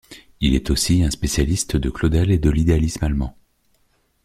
Il est aussi un spécialiste de Claudel et de l'idéalisme allemand.